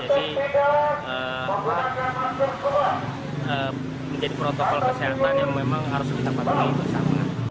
menjadi protokol kesehatan yang memang harus kita patuhi bersama